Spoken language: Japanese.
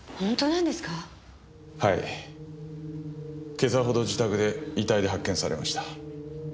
今朝ほど自宅で遺体で発見されました。